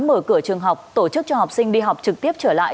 mở cửa trường học tổ chức cho học sinh đi học trực tiếp trở lại